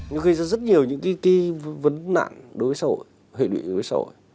nhiều khi rất nhiều những cái vấn nạn đối với xã hội hệ định đối với xã hội